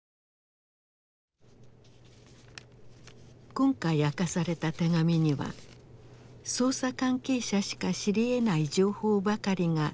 今回明かされた手紙には捜査関係者しか知りえない情報ばかりが記されていた。